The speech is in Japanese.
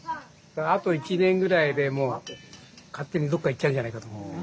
あと１年ぐらいでもう勝手にどっか行っちゃうんじゃないかと。